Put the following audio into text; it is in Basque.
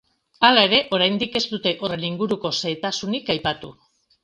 Hala ere, oraindik ez dute horren inguruko xehetasunik aipatu.